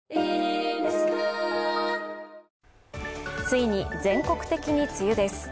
ついに全国的に梅雨です。